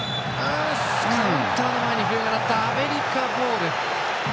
カウンターの前に笛が鳴ってアメリカボール。